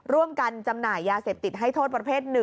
จำหน่ายยาเสพติดให้โทษประเภท๑